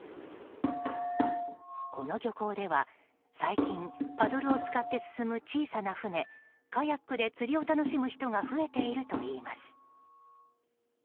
この漁港では最近パドルを使って進む小さな船カヤックで釣りを楽しむ人が増えているといいます。